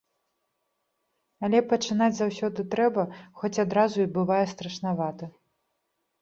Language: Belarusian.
Але пачынаць заўсёды трэба, хоць адразу і бывае страшнавата.